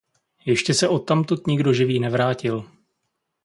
Ještě se odtamtud nikdo živý nevrátil.